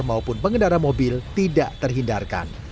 maupun pengendara mobil tidak terhindarkan